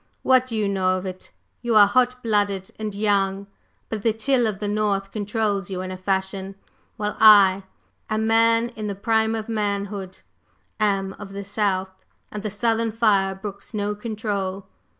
What do you know of it? You are hot blooded and young; but the chill of the North controls you in a fashion, while I a man in the prime of manhood am of the South, and the Southern fire brooks no control.